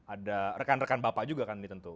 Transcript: ada rekan rekan bapak juga kan di tentu